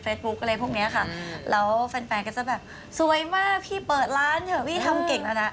เฟสบุ๊บต่อไปค่ะแล้วแฟนจะแบบสวยมากพี่เปิดร้านเถอะพี่ทำเก่งแล้วนะ